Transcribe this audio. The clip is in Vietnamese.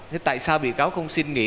thế tại sao bị cáo không xin nghỉ